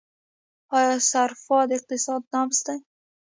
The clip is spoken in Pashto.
آیا صرافان د اقتصاد نبض دي؟